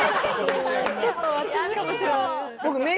ちょっと私無理かもしれない。